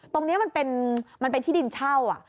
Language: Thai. ตรงเนี้ยมันเป็นมันเป็นที่ดินเช่าอ่ะ